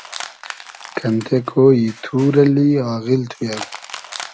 کئنتې کۉیی توور اللی آغیل تو یہ